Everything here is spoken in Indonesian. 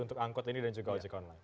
untuk angkut ini dan juga ojek online